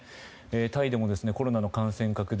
タイでもコロナの感染拡大